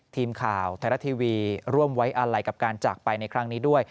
ทีมข่าวไทยรัฐทีวีร่วมไว้อาลัยกับการจากไปในครั้งนี้ด้วย